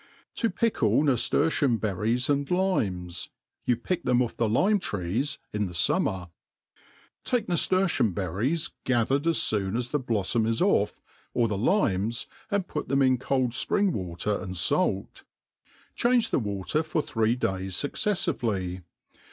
To pickle Naftirtium Berries and Limes ; you pick them off tht Lime Trees in the Summer. TAKE naftertium berries gathered as foon as the bloflbm is oiF, or the limes, and put them in cold fpring water and fait ; change the water for three days fucceffively.